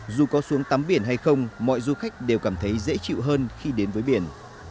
dù có xuống tắm biển hay không mọi du khách đều cảm thấy dễ chịu hơn khi đến với biển